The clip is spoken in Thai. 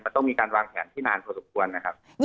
ต้องมีการวางแผนที่นานพอสมควรนะครับ